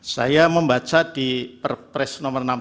saya membaca di perpres no enam puluh tiga tahun dua ribu tujuh belas